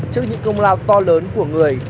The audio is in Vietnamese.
trước những công lao to lớn của người